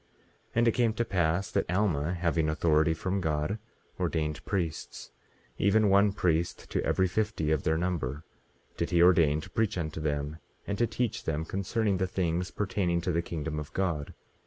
18:18 And it came to pass that Alma, having authority from God, ordained priests; even one priest to every fifty of their number did he ordain to preach unto them, and to teach them concerning the things pertaining to the kingdom of God.